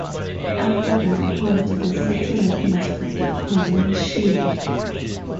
After that point, the satellite must be decommissioned.